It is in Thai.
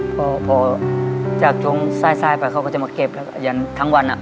พอพอจากช่วงทรายทรายไปเขาก็จะมาเก็บอย่างทั้งวันอ่ะ